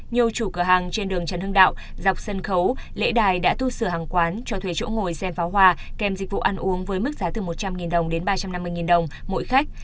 nhiều chủ cửa hàng trên đường trần hưng đạo dọc sân khấu lễ đài đã tu sửa hàng quán cho thuê chỗ ngồi xem pháo hoa kèm dịch vụ ăn uống với mức giá từ một trăm linh đồng đến ba trăm năm mươi đồng mỗi khách